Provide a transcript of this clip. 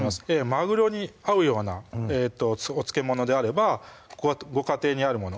まぐろに合うようなお漬物であればご家庭にあるもの